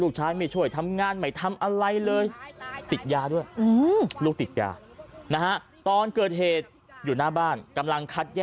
ลูกที่บอกว่าติดกากป่วยติดกาก